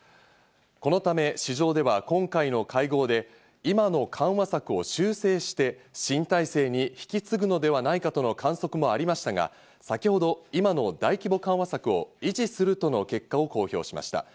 このため市場では今回の会合で、今の緩和策を修正して、新体制に引き継ぐのではないかとの観測もありましたが先ほど今の大規模緩和策を維持するとの結果を公表しました。